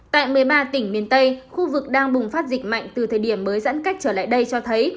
tại một mươi ba tỉnh miền tây khu vực đang bùng phát dịch mạnh từ thời điểm mới giãn cách trở lại đây cho thấy